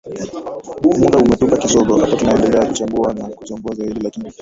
muda umetupa kisogo hapa tunaendelea kuchambua na kuchambua zaidi lakini